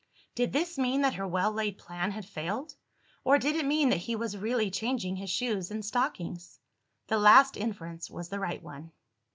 Did this mean that her well laid plan had failed? Or did it mean that he was really changing his shoes and stockings? The last inference was the right one.